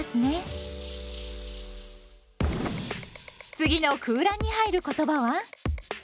次の空欄に入る言葉は？